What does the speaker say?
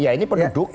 ya ini pendudukan